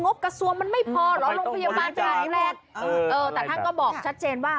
บกระทรวงมันไม่พอเหรอโรงพยาบาลจังหวัดแต่ท่านก็บอกชัดเจนว่า